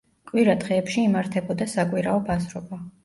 კვირა დღეებში იმართებოდა საკვირაო ბაზრობა.